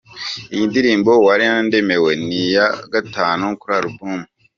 Iyi ndirimbo ‘Warandemewe’ ni ya gatanu kuri album.